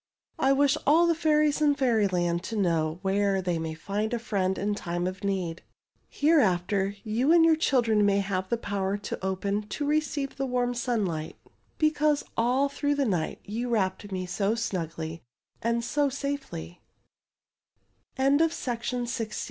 '' I wish all the fairies in Fairyland to know where they may find a friend in time of need. ^* Hereafter you and your children may have the power to open to receive the warm sunlight, because all through the night you wrapped me so sn